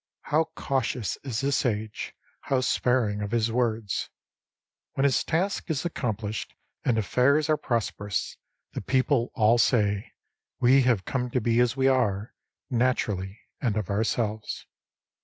How cautious is the Sage, how sparing of his words ! When his task is accomplished and affairs are prosperous, the people all say :" We have come to be as we are, naturally and of ourselves."